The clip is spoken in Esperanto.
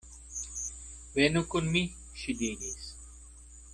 Venu kun mi, ŝi diris.